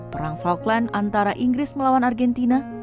perang falkland antara inggris melawan argentina